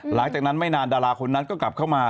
หลังจากนั้นไม่นานดาราคนนั้นก็กลับเข้ามา